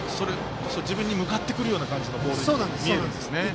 自分に向かってくるボールに見えるんですね。